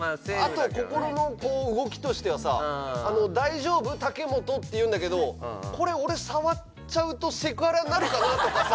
あと心の動きとしてはさ「大丈夫？武元」って言うんだけどこれ俺触っちゃうとセクハラになるかなとかさ。